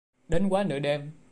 Đến quá nửa đêm